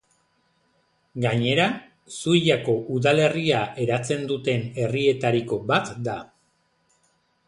Gainera, Zuiako udalerria eratzen duten herrietariko bat da.